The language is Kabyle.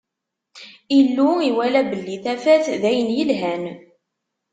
Illu iwala belli tafat d ayen yelhan.